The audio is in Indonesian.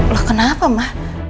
loh kenapa ma